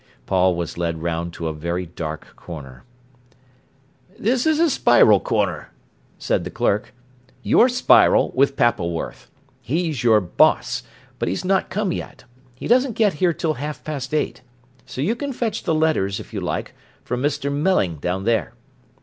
Paul was led round to a very dark corner. "This is the 'Spiral' corner," said the clerk. "You're Spiral, with Pappleworth. He's your boss, but he's not come yet. He doesn't get here till half past eight. So you can fetch the letters, if you like, from Mr. Melling down there."